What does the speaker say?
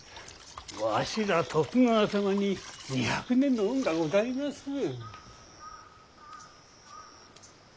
わしらは徳川様に二百年の恩がございまする。